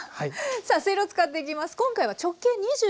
さあせいろを使っていきます。